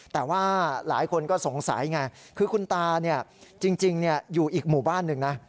แต่ว่าหลายคนก็สงสัยไงคือคุณตาจริงอยู่อีกหมู่บ้านหนึ่งนะ